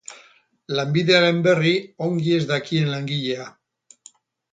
Lanbidearen berri ongi ez dakien langilea.